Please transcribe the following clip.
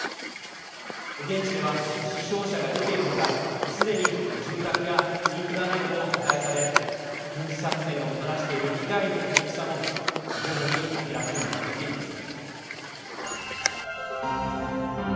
現地では、死傷者が出ている他すでに住宅やインフラなども破壊され軍事作戦がもたらしている被害の大きさも徐々に明らかになってきています。